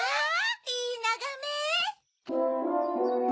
いいながめ！